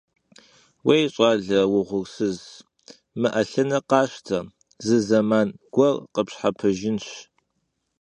Yêy, ş'ale vuğursız, mı 'elhınır khaşte, zı zeman guer khıpşhepejjınş.